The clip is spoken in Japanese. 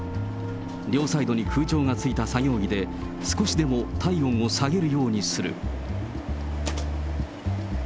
両サイドに空調がついた作業着で、少しでも体温を下げるようにする。